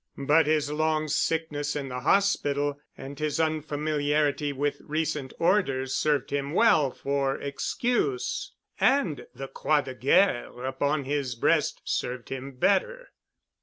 But his long sickness in the hospital and his unfamiliarity with recent orders served him well for excuse, and the Croix de Guerre upon his breast served him better.